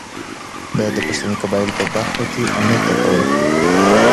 دا یې د پښتني قبایلو په برخه کې امیر ته کول.